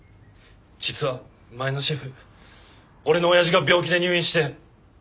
実は前のシェフ俺のおやじが病気で入院して。